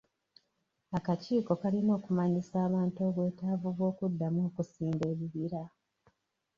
Akakiiko kalina okumanyisa abantu bwetaavu bw'okuddamu okusimba ebibira.